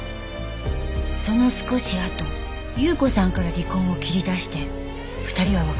その少しあと有雨子さんから離婚を切り出して２人は別れたんです。